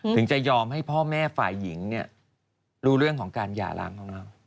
จะยอมให้พ่อแม่ฝ่ายหญิงรู้เรื่องของการหย่าล้างของเรา